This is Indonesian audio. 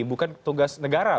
bukan tugas negara